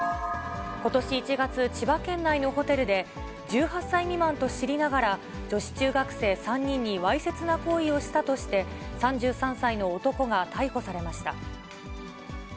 ことし１月、千葉県内のホテルで、１８歳未満と知りながら、女子中学生３人にわいせつな行為をしたとして、３３歳の男が逮捕されました。